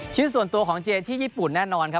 ชื่อส่วนตัวของเจที่ญี่ปุ่นแน่นอนครับ